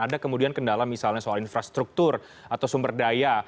ada kemudian kendala misalnya soal infrastruktur atau sumber daya